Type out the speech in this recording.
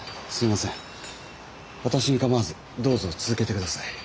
私にかまわずどうぞ続けてください。